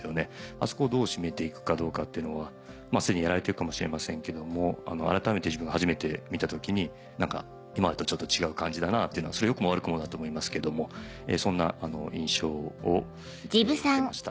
あそこをどう締めていくかどうかっていうのはすでにやられてるかもしれませんけども改めて自分が初めて見た時にちょっと違う感じだなというのはそれは良くも悪くもだと思いますけどもそんな印象を受けました。